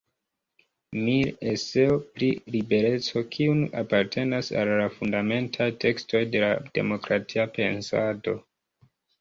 Mill “Eseo pri libereco, kiu apartenas al la fundamentaj tekstoj de la demokratia pensado.